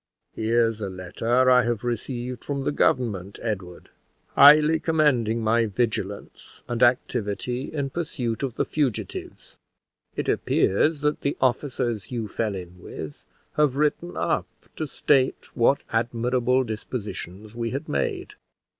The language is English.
"Here's a letter I have received from the government, Edward, highly commending my vigilance and activity in pursuit of the fugitives. It appears that the officers you fell in with have written up to state what admirable dispositions we had made.